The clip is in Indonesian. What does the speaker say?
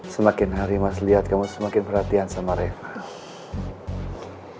semakin hari mas lihat kamu semakin perhatian sama reva